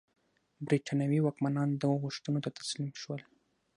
برېټانوي واکمنان دغو غوښتنو ته تسلیم شول.